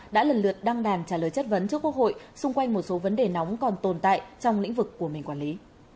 đã lần lượt đăng đàn trả lời chất vấn trước quốc hội xung quanh một số vấn đề nóng còn tồn tại trong lĩnh vực của mình quản lý